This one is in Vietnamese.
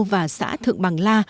và xã thượng bằng la